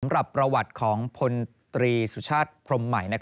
สำหรับประวัติของพลตรีสุชาติพรมใหม่